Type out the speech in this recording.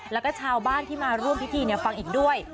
แล้วก็ชาวบ้านที่มาร่วมพิธีฟังอีกด้วย